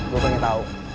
gue pengen tau